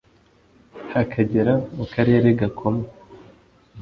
hakagera mu karere gakomwe